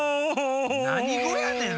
なにごやねん？